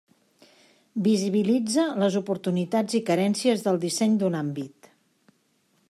Visibilitza les oportunitats i carències del disseny d'un àmbit.